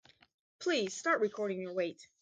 Please start recording your weight.